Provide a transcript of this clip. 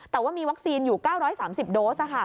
แต่ว่ามีวัคซีนอยู่๙๓๐โดส